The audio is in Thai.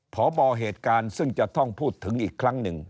พบเหตุการณ์ซึ่งจะต้องพูดถึงอีกครั้งหนึ่ง